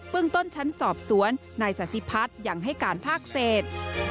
ปึ่งต้นชั้นสอบสวนนายซาชิพัทธ์อย่างให้การภาคเศษ